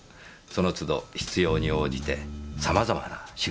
その都度必要に応じて様々な仕事をします。